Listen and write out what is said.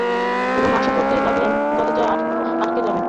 এবং আশা করতে লাগলেন দরজা আটকে যাবে।